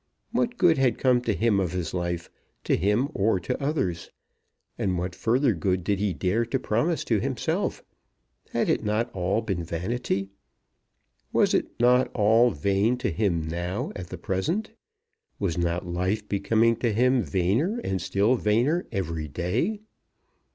What good had come to him of his life, to him or to others? And what further good did he dare to promise to himself? Had it not all been vanity? Was it not all vain to him now at the present? Was not life becoming to him vainer and still vainer every day?